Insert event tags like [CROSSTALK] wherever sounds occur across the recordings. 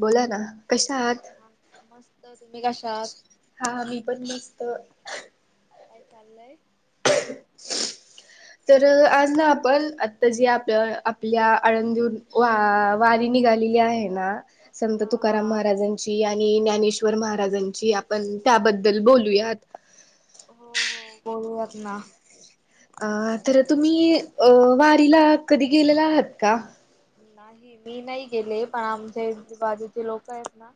बोला ना कश आात ह मस्त तुम्ही कशात हा मी पण मस्त काय चाललंय [UNINTELLIGIBLE] तर आज ना आपण आता जे आपलं आपल्या आळंदीून वा वारी निघालेली आहे ना संत हा हा तुकाराम महाराजांची आणि ज्ञानेश्वर महाराजांची आपण त्याबद्दल बोलूयात हो हो जाउया त ना अ तर तुम्ही अ वारीला कधी गेलेला आहात का नाही मी नाही गेले पण आमच्या ह बाजूचे लोक आहेत ना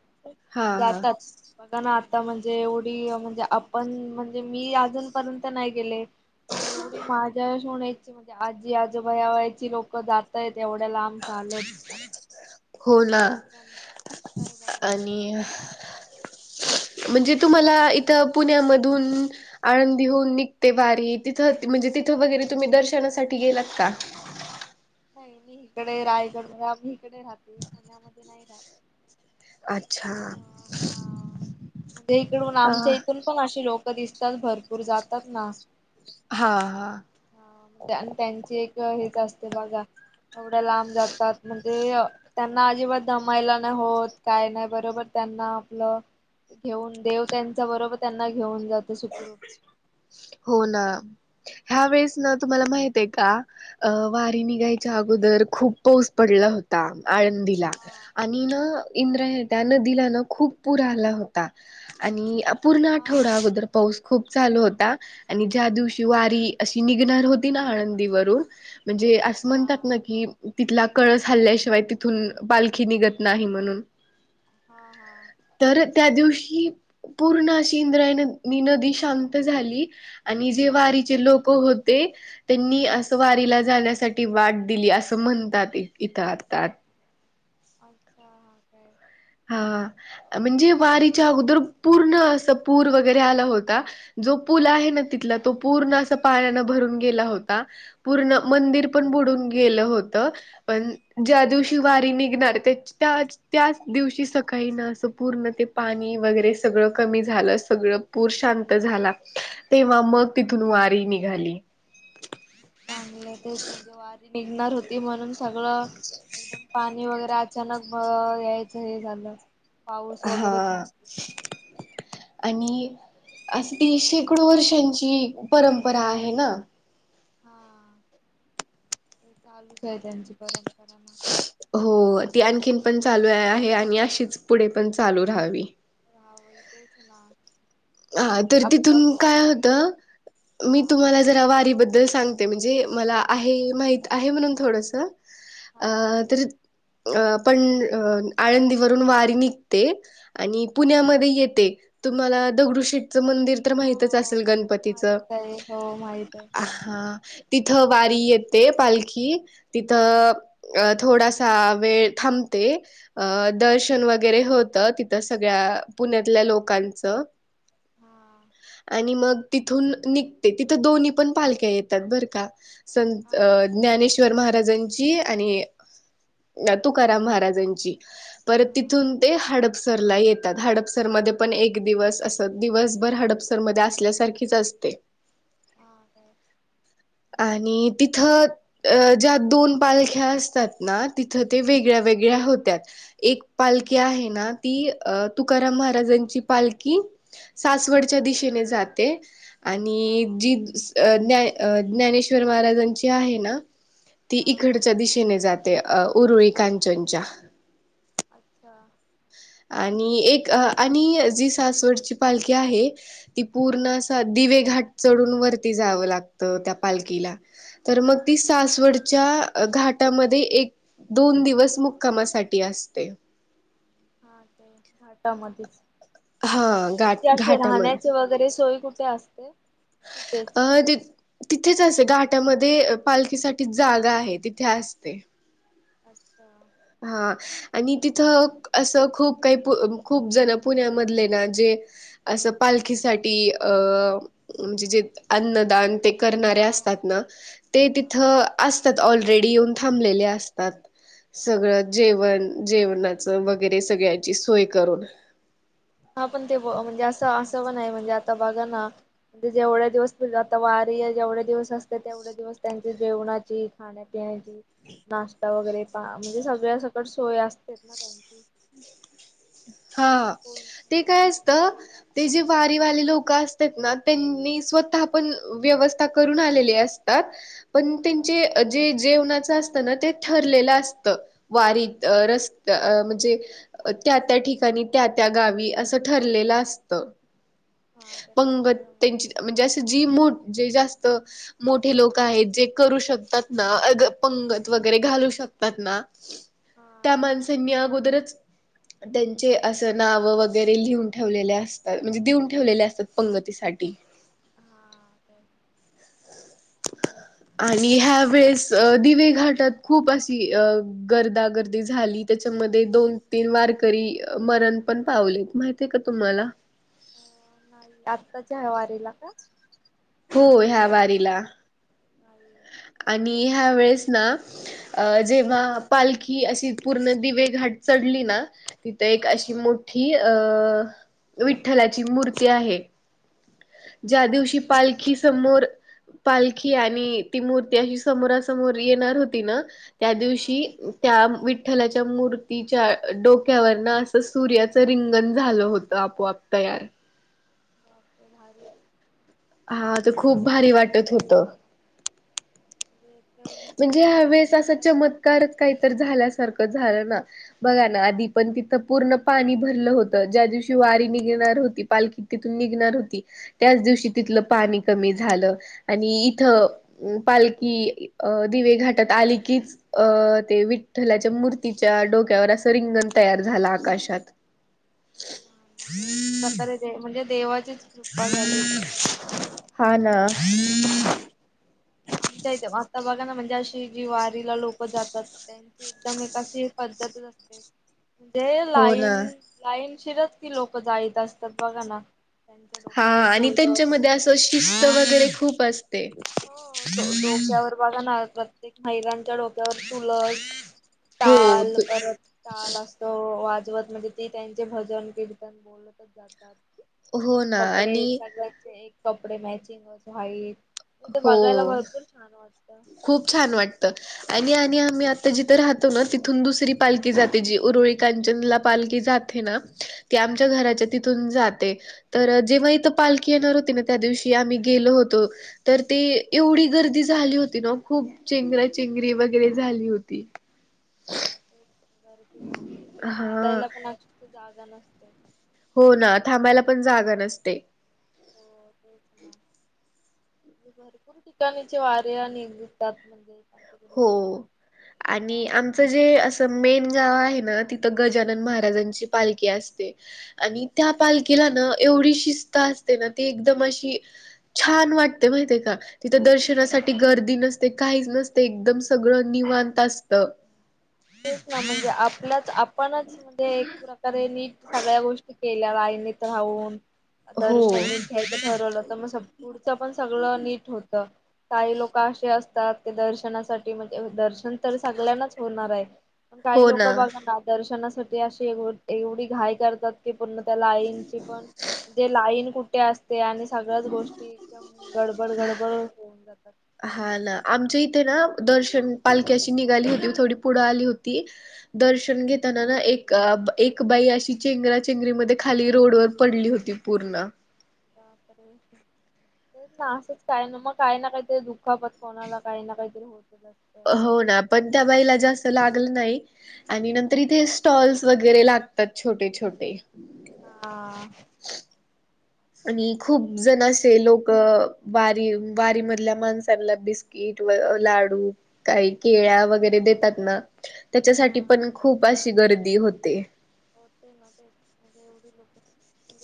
हा हा जातात बघा ना आता म्हणजे एवढी म्हणजे आपण म्हणजे मी अजूनपर्यंत नाही गेले पण एवढी माझ्या श होणायची म्हणजे आजी आजोबाया वची लोकं जातायेत एवढ्या लांब चालत. हो ना म्हणजे कसं आहे बघा ना. आणि [INAUDIBLE] म्हणजे तुम्हाला एका पुण्यामधून आळंदी होऊन निघते वारी तिथ म्हणजे तिथं वगैरे तुम्ही दर्शनासाठी गेलात का? नाही मी इकडे रायगड म आम्ही इकडे राहते पुण्यामध्ये नाही राहत अच्छा अ हा म्हणजे इकडन अ आमच्या इथून पण अशी लोकं दिसतात भरपूर जातात ना हा हा हा आणि त्यांची एक हेच असते बघा एवढं लांब जातात म्हणजे त्यांना अजिबात दमायला नाही होत काय नाही बरोबर त्यांना आपलं घेऊन देव त्यांच्या बरोबर त्यांना घेऊन जातं सुखरूप हो ना ह्या वेळेस ना तुम्हाला माहित आहे का अ वारी निघायच्या अगोदर खूप पाऊस पडला होता अ आळंदीला हा आणि ना इंद्रय त्या नदीला न खूप पूर आला होता आणि पूर्ण हा हा आठवडादर पाऊस खूप चालू होता आणि ज्या दिवशी वारी अशी निघणार होती ना आळंदीवरून म्हणजेआ असं म्हणतात हा हा ना की तिथला कळस हल्ल्याशिवाय तिथून पालखी निघत नाही म्हणून... हा हा..... तर त्या दिवशी पूर्ण अशी इंद्रायणी नदी शांत झाली.... आणि जे वारीचे लोक होते. त्यांनी असं वारीला जाण्यासाठी वाट दिली असं म्हणतात तिथ आता... अच्छा हा काय? हा म्हणजे वारीच्या अगोदर पूर्ण अस पूर वगैरे आला होता... जो पूल आहे ना तिथला तो पूर्ण अस पाण्यानं भरून गेला होता.... पूर्ण मंदिर पण बुडून गेलं होत. पण ज्या दिवशी वारी निघणार त्याच त्याच.... दिवशी सकाळी ना असं पूर्ण ते पाणी वगैरे सगळं कमी झालं सगळं.... पूर शांत झाला तेव्हा मग तिथून वारी निघाली... चांगलं तेच म्हणजे वारी निघणार होती म्हणून सांग... सगळं पाणी वगैरे अचानक अ यायचं हे झालं... पाऊस वगैरे हा... थांबला आणि अस ती शेकडो वर्षांची परंपरा आहे ना.... हा ते चालूच आहे त्यांची परंपरा ना... हो ती आणखीन पण चालू आहे आहे आणि अशीच पुढे पण चालू राहावी. हां होय तेच ना.... हा पण तर तिथून आत्ताची काय पिढी होतं हा मी तुम्हाला.... जरा वारीबद्दल सांगते म्हणजे मला... हा आहे माहित सांगा आहे ना म्हणून थोडस अ हा हा तर.... अ पण आळंदीवरून वारी निघते.... आणि हा पुण्यामध्ये येते तुम्हाला दगडू शेठचं मंदिर.... तुला तर हो माहितच हो असेल गणपतीच हा माहित आहे हो माहित आहे हा.... तिथं वारी येते पालखी तिथं... अ थोडासा वेळ थांबते. अ हा दर्शन वगैरे होतं तिथं सगळ्या पुण्यातल्या लोकांचं.... हा आणि मग तिथून निघते तिथ दोन्ही पण पालख्या येतात बर का संत हा अ.... ज्ञानेश्वर महाराजांची आणि अ तुकाराम महाराजांची.... परत हा हा तिथून ते हाडपसरला येतात हाडपसरमध्ये पण एक दिवस असतं..... दिवसभर हाडपसर मध्ये असल्यासारखीच असते... हा काय हा आणि तिथं... अ ज्या दोन पालख्या असतात ना तिथं ते वेगळ्या वेगळ्या होत्यात. एक पालखी आहे ना ती अ तुकाराम महाराजांची पालखी... सासवडच्या दिशेने जाते आणि जी ज्ञाने... अ ज्ञानेश्वर महाराजांची आहे ना.. ती हा इकडच्या दिशेने जाते अ उरुळी कांचनच्या... अच्छा... आणि एक आणि जी सासवडची पालखी आहे. ती हा पूर्ण अस दिवे घाट चढून वरती जावं लागतं त्या पालखीला... तर मग ती सासवडच्या घाटामध्ये एक... दोन दिवस मुक्कामासाठी असते. हा ते घाटामध्येच... हा म त्यांची घाट अशी घाटामध्ये राहण्याची वगैरे सोय कुठे असते तिथेच.... अ तिथेच असते घाटामध्ये पालखीसाठी जागा आहे तिथे असते.. अच्छा.... हा आणि लोभर तिथं...... असं खूप काही खूप जण पुण्यामधले ना जे... असं पालखीसाठी अ म्हणजे जे अन्नदान ते....... े हा हा. असतात ना ते तिथ हा. असतात ऑलरेडी येऊन थांबलेले असतात सगळं हा जेवण जेवणाच वगैरे सगळ्याची सोय करून हा पण ते म्हणजे असं असं पण आहे म्हणजे आता बाघाना म्हणजे जेवढ्या दिवस तझ आता वारी जेवढे दिवस असते तेवढ्या दिवस त्यांच्या जेवणाची खण्या पिण्याची नाश्ता वगैरे पा म्हणजे सगळ्या सकट सोय असते ना त्यांची हा होय. ते काय असत ते जे वारीवाले लोक असतात ना त्यांनी स्वतः पण व्यवस् हा. हा [UNINTELLIGIBLE] जेवणाच असत ना ते ठरलेलं असत वारीत हा रस्त म्हणजे त्या त्या ठिकाणी त्या त्या गावी असं ठरलेलं असत हा का पंगत त्यांचं त्यांची म्हणजे असं जी मोठ जे जास्त मोठे लोक आहेत जे करू शकतात ना पंगत वगैरे घालू शकतात ना त्या हा. माणसांनी अगोदरच त्यां अस नाव वगैरे लिहून ठेवलेले असतात म्हणजे देऊन ठेवलेले असतात पंगतीसाठी हां ते हो आणि ह्या वेळेस दिवे घाटात खूप अशी अ गर्दागर्दी झाली त्याच्यामध्ये दोन तीन वारकरी मरण पण पावलेत माहि का तुम्हाला नाही आत्ताच्या ह वारीेला का हो ह्या वारीला ह आणि ह्या वेळेस ना अ जेव्हा पालखी अशी पूर्ण दिवे घाट चढली ना तिथ एक हा अशी मोठी अ विठ्ठलाची मूर्ती आहे ज्या हा दिवशी पालखी समोर पालखी आणि ती मूर्ती अशी समोरासमोर येणार होती ना त्या हा दिवशी त्या विठ्ठलाच्या मूर्तीच्या डोक्यावर न सूर्याचं रिंगण झालं होतं आपोआप तयार भारच हा तर खूप भारी वाटत होतं जक म्हणजे ह वेळेस असा चमत्कारच काहीत झाल्यासारखं झालं ना बघा ना हा आधी हा पण तिथं पूर्ण पाणी भरलं होत ज्या दिवशी वारी निघणार होती पालखी तिथून निघणार होती त्याच दिवशी तिथलं पाणी कमी झालं आणि इथ पालखी अ दिवे घाटात आली की च अ ते विठ्ठलाच्या मूर्तीच्या डोक्यावर असं रिंगण तयार झालं आकाशात म्हणजे एक प्रकारे म्हणजे देवाचीच कृपा झाली हा ना आमच्या इथ बघा ना म्हणजे अशी जी वारीला लोकं जातात एकदम एक अशी पद्धतच असते दे हो ना. लाईन लाईन शिरत की लोक जाईत असतात बघा ना त्यांच्या हा डोक्यावर आणि तोलतच त्यांच्यामध्ये असं शिस्त वगैरे खूप असते हो डोक्यावर बघाणार प्रत्येक महिलांच्या डोक्यावर तुळस हो ाल परत चाल अस त वाजवत म्हणजे ती त्यांचे भजन कीर्तन बोलतच जातात हो ना कपडे आणि सगळ्याचे एक कपडे मॅचिंगच व्हाईत. ते बघायला हो भरपूर छान वाटतं. खूप छान वाटतं. आणि आणि आम्ही आता जिथं राहतो ना तिथून दुसरी पालखी जाते जी उरळी कांचनला पालखी जात थे ना आमच्या हा. घराच्या तिथून जाते. तर जेव्हा इथं पालखी येणार होती ना त्या दिवशी आम्ही गेलो होतो तर ते एवढी गर्दी झाली होती ना खूप चेंगरा चेंगरी वगैरे झाली होती. भरपूर भरपूर म्हणजे हा चालायला पण अशी जागा नसते. हो ना थांबायला पण जागा नसते. हो तेच ना. भरपूर ठिकाणीचे वार्या निघतात म्हणजे तिकडे जायला हो आणि जाम आमचं लोक जे अस त मेन गाव आहे ना तिथं गजानन महाराजांची पालखी आसते. आणि त्या पालखीला ना एवढी शिस्त असते ना ती एकदम अशी छान वाटते माहिते का तिथं दर्शनासाठी गर्दी नसते काहीच नस ते एकदम सगळं निवांत आसतं. तेच ना म्हणजे आपल्याच आपणच म्हणजे एक प्रकारे नीट सगळ्या गोष्टी के ल्या लाईनीत राहून हो. दर्शन ठरवलं तर मग पुढचं पण सगळं नीट होत. काही लोक आशे असतात की दर्शनासाठी म्हणजे दर्शन तर सगल्यांना होणार आहे. पण काही हो लोक ना. बघाना दर्शनासाठी अशी एव एवढी घाई करतात. कि पुन्हा त्या लाईनची पण ते लाईन कुठे आसते आणि सगळ्याच गोष्टी एकदम गडबड गडबड होऊन जातात. हा ना आमच्या इथे ना दर्शन पालखी अशी निघाली होती थोडी पुढं आली होती दर्शन घेताना ना एक एक बाई अशी चेंगरा चेंगरीमध्ये खाली रोडवर पडली होती. पूर्ण. बापरे तेच ना आसंच काय ना म काय ना काही ते दु खापत कोणाला काही ना काहीतरी होतच असतं. हो ना पण त्या बाईला जास्त लागलं नाही. आणि नंतर इथे स्टॉल्स वगैरे लागतात छोटे छोटे. हा. आणि तेच खूप जण आसं ते लोक बारी बारी मधल्या मानसांला बिस्किट व लाडू काही केळ्या वगैरे देतात ना त्याच्यासाठी हा पण खूप आशी गर्दी होते. होतय ना ते म्हणजे एवढी लोक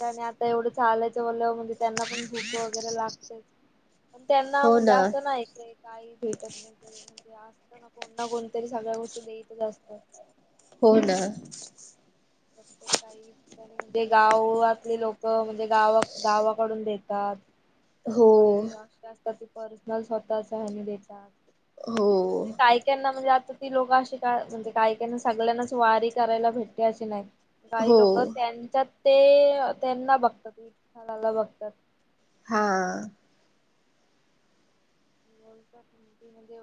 आणि आता एवढं चालायचं म्हणल्या व त्यांना पण भुक वगैरे लागते. पण त्यांना हो म्हणजे ना असं नाही की काही भेटत नसत म्हणजे आसत ना कोण ना कोणतरी सगळ्या गोष्टी देतच आसत. हो ना. प्रत्येक काई कानी म्हणजे गाव आसले लोक म्हणजे गावा गावाकडून देतात. हो कॉई आसे असतात ते पर्सनल स्वतःच आहे देतात हो ते काय त्यांना म्हणजे आता ती लोकं अशी काय म्हणजे काही काही ना सगळ्यांनाच वारी करायला भेटते अशी नाही. काही हो लोक त्यांच्यात ते त्यांना बघतात विठ्ठालाला बघतात. हां. ते म्हणजे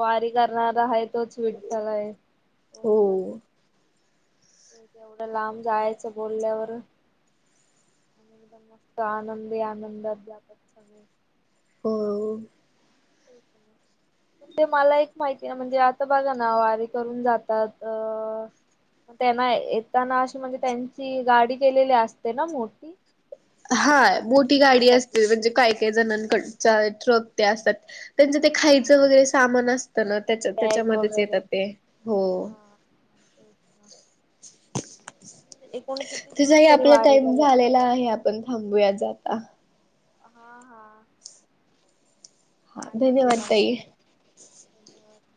वारी करणारा आहेत. तोच विठ्ठल हाय हो बोलतात. तेवढं लांब जायचं बोलल्यावर एकदम मस्त आनंदी आनंदात जातात सगळे. हो अ. Okay ma'am. ते मला एक माहिती ना म्हणजे आता बघा ना वारीे करून जातात अ त्यांना येताना अशी म्हणजे त्यांची गाडी केलेली असते ना मोठी. हाय मोठी गाडी येण्यासाठी असते म्हणजे काय काही जणांकड ट्रक ते असतात त्यांचं ते हा खायचं वगैरे सामान असतं ना त्याच्या बॅग त्याच्यामध्येच वगैरे येतात ते हो. अच्छा. किती दिवस तसही तरी आपला टाईम वारीला जात झालेला आहे आपण थांबूयाच आता. हा हा. हा छान वाटलं धन्यवाद मला ताई पण खूप [INAUDIBLE]